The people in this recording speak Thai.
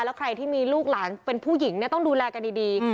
แล้วใครที่มีลูกหลานเป็นผู้หญิงต้องดูแลกันดี